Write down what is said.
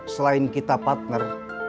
selain kita partner